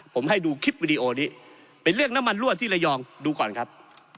ผมให้ดูคลิปวิดีโอนี้เป็นเรื่องน้ำมันรั่วที่ระยองดูก่อนครับ